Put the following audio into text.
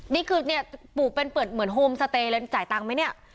นี่คือเนี่ยปลูกเป็นเปิดเหมือนโฮมสเตย์เลยจ่ายตังค์ไหมเนี่ย